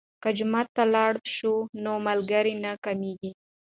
که جومات ته لاړ شو نو ملګري نه کمیږي.